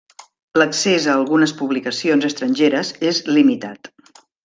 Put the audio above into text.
L'accés a algunes publicacions estrangeres és limitat.